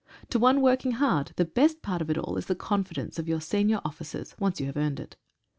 To one working hard, the best part of it all is the confidence of senior officers once you have earned it.